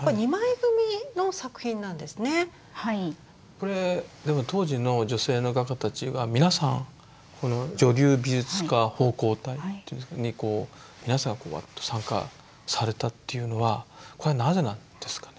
これでも当時の女性の画家たちは皆さん女流美術家奉公隊に皆さんわっと参加されたっていうのはこれはなぜなんですかね？